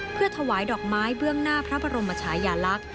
เพื่อถวายดอกไม้เบื้องหน้าพระบรมชายาลักษณ์